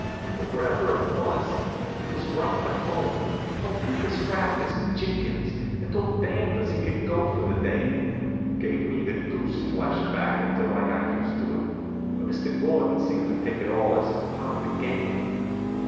But wherever it was, he was right to home called Rufus Rastus Jenkins, and told Danvers he could go for the day. Gave me the goose flesh back until I got used to it; but Mr. Gordon seemed to take it all as part of the game.